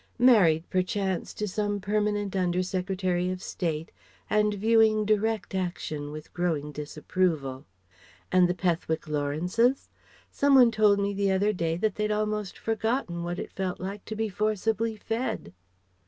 Married perchance to some permanent under Secretary of State and viewing "direct action" with growing disapproval. And the Pethick Lawrences? Some one told me the other day that they'd almost forgotten what it felt like to be forcibly fed.